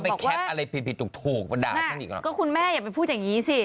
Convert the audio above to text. มึงรู้สิทุกคนอาจจะอยากไปพูดอย่างนี้ซิ